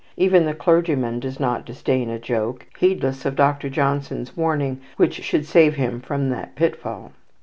Even the clergyman does not disdain a joke, heedless of Dr. Johnson's warning which should save him from that pitfall.